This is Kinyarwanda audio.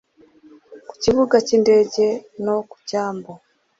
ku kibuga cy’indege no ku cyambu